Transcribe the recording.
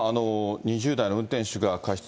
２０代の運転手が過失